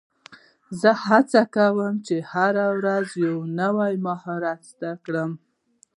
زه هڅه کوم، چي هره ورځ یو نوی مهارت زده کړم.